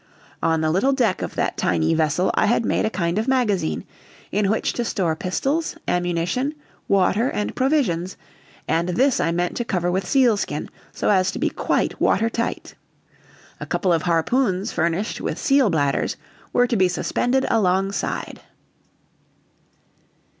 On the little deck of that tiny vessel I had made a kind of magazine, in which to store pistols, ammunition, water, and provisions, and this I meant to cover with sealskin, so as to be quite watertight. A couple of harpoons furnished with seal bladders were to be suspended alongside.